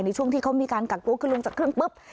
ในช่วงที่เขามีการกักตัวคือลงจากเครื่องปุ๊บ